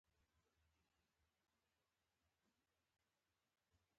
دښمني ابدي شی نه دی.